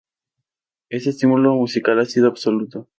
El estímulo musical ha sido absoluto.